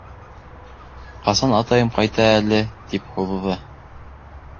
Ҡасан атайым ҡайта әле, — тип һуҙҙы.